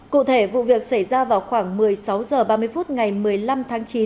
cụ thể vụ việc xảy ra vào khoảng một mươi sáu h ba mươi phút ngày một mươi năm tháng chín